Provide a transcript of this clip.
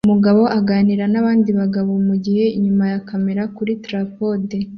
Umugabo uganira nabandi bagabo mugihe inyuma ya kamera kuri trapode